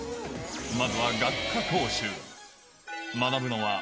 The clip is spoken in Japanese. まずは学科講習。